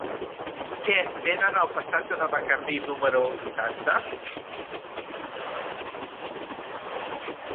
Què venen al passatge de Bacardí número vuitanta?